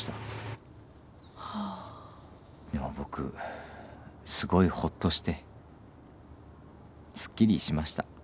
でも僕すごいほっとしてすっきりしました。